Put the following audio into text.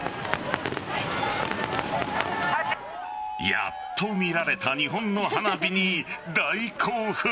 やっと見られた日本の花火に大興奮。